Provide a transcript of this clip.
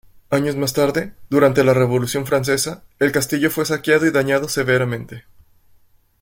Años más tarde, durante la Revolución francesa, el castillo fue saqueado y dañado severamente.